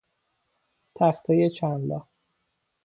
تختهی چند لا